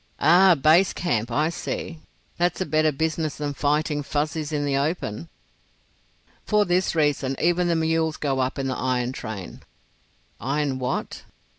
"Ah! Base camp. I see. That's a better business than fighting Fuzzies in the open." "For this reason even the mules go up in the iron train." "Iron what?"